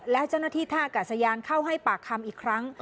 และเจ้าหน้าที่ท่ากาศยานเข้าให้ปากคำอีกครั้ง